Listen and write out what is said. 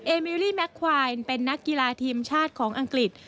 เอมิลลี่แมคไวน์เป็นนักกีฬาทีมชาติของอังกฤษ